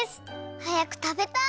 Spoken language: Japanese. はやくたべたい！